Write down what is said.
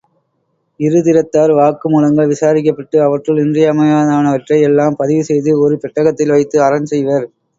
இருதிறத்தார் வாக்கு மூலங்கள் விசாரிக்கப்பட்டு, அவற்றுள் இன்றியமையாதனவற்றை யெல்லாம் பதிவு செய்து, ஒரு பெட்டகத்தில் வைத்து அரண் செய்வர்.